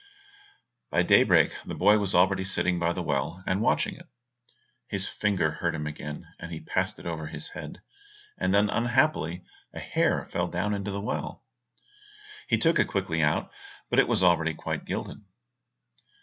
By daybreak the boy was already sitting by the well and watching it. His finger hurt him again and he passed it over his head, and then unhappily a hair fell down into the well. He took it quickly out, but it was already quite gilded.